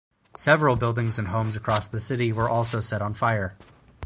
Several buildings and homes across the city were also set on fire.